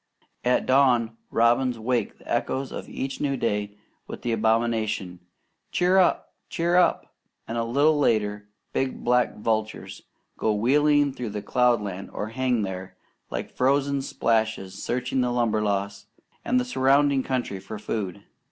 At dawn, robins wake the echoes of each new day with the admonition, "Cheer up! Cheer up!" and a little later big black vultures go wheeling through cloudland or hang there, like frozen splashes, searching the Limberlost and the surrounding country for food.